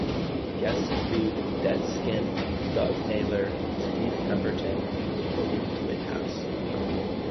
Guests included Dez Skinn, Doug Naylor, Steve Pemberton, Toby Whithouse.